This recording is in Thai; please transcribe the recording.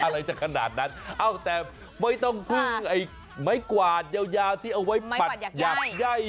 อะไรจะขนาดนั้นเอ้าแต่ไม่ต้องพึ่งไอ้ไม้กวาดยาวที่เอาไว้ปัดอยากไย่